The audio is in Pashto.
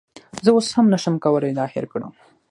زه اوس هم نشم کولی دا هیر کړم